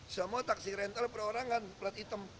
semua taksi rental per orang kan plat item